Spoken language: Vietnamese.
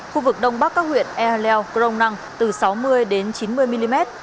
khu vực đông bắc các huyện eheleo krong năng từ sáu mươi chín mươi mm